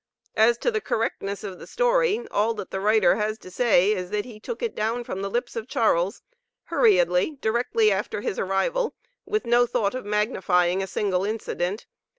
As to the correctness of the story, all that the writer has to say is, that he took it down from the lips of Charles, hurriedly, directly after his arrival, with no thought of magnifying a single incident.